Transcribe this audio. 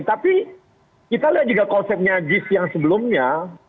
tapi kita lihat juga konsepnya jis yang sebelumnya